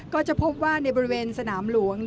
ก็จะพบว่าในบริเวณสนามหลวง